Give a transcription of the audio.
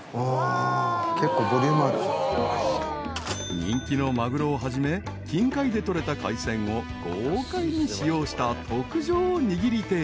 ［人気のマグロをはじめ近海で取れた海鮮を豪快に使用した］